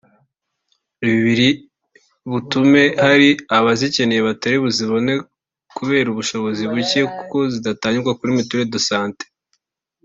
Ibi biri butuma hari abazikeneye batazibona kubera ubushobozi buke kuko zidatangirwa kuri mituelle de santé